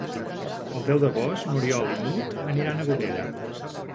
El deu d'agost n'Oriol i n'Hug aniran a Godella.